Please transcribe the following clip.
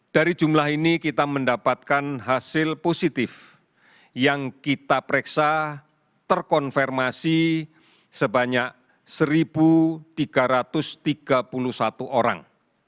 dari jumlah ini kita mendapatkan hasil positif yang kita periksa terkonfirmasi sebanyak satu tiga ratus tiga puluh satu orang